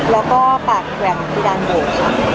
และก็ปากแกร่งที่ดั้งสอง